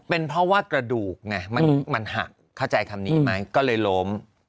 เป็นเพราะว่ากระดูกไงมันหักเข้าใจคำนี้ไหมก็เลยล้ม